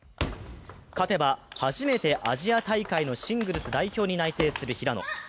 勝てば、初めてアジア大会のシングルス代表に内定する平野。